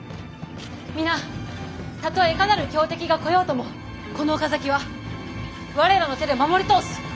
皆たとえいかなる強敵が来ようともこの岡崎は我らの手で守り通す。